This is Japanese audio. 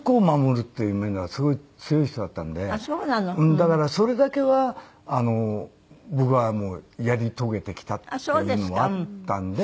だからそれだけは僕はもうやり遂げてきたっていうのはあったんで。